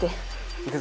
行くぞ。